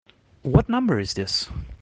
What number is this?